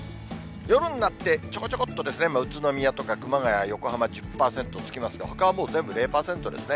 夜になってちょこちょこっと宇都宮とか熊谷、横浜１０％つきますが、ほかはもう０％ですね。